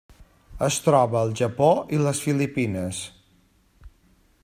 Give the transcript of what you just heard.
Es troba al Japó i les Filipines.